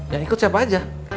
yang ikut siapa aja